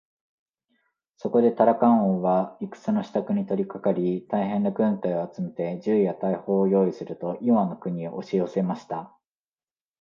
そこでタラカン王は戦のしたくに取りかかり、大へんな軍隊を集めて、銃や大砲をよういすると、イワンの国へおしよせました。